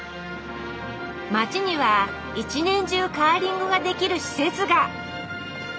町には一年中カーリングができる施設が。